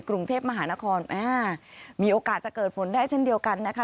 กรุงเทพมหานครอ่ามีโอกาสจะเกิดฝนได้เช่นเดียวกันนะคะ